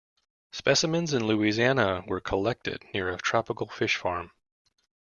Specimens in Louisiana were collected near a tropical fish farm.